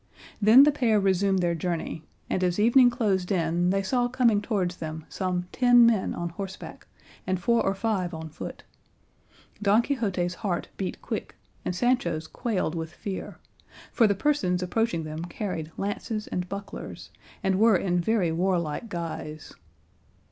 Then the pair resumed their journey, and as evening closed in they saw coming towards them some ten men on horseback and four or five on foot. Don Quixote's heart beat quick and Sancho's quailed with fear, for the persons approaching them carried lances and bucklers, and were in very warlike guise.